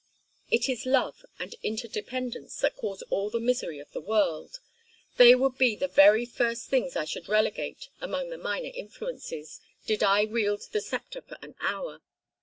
"It is love and interdependence that cause all the misery of the world; they would be the very first things I should relegate among the minor influences, did I wield the sceptre for an hour.